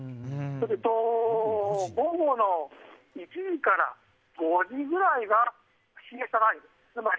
それと午後の１時から５時くらいがシエスタです。